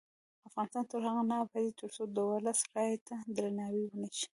افغانستان تر هغو نه ابادیږي، ترڅو د ولس رایې ته درناوی ونشي.